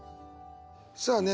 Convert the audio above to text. さあね